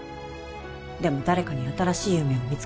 でも誰かに新しい夢を